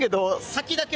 「先だけ」